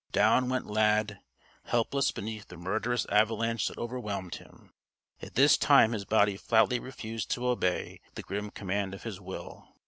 Down went Lad, helpless beneath the murderous avalanche that overwhelmed him. And this time his body flatly refused to obey the grim command of his will.